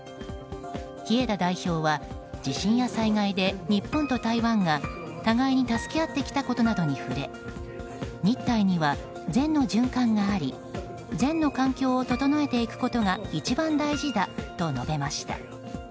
日枝代表は、地震や災害で日本と台湾が互いに助け合ってきたことなどに触れ日台には善の循環があり善の環境を整えていくことが一番大事だと述べました。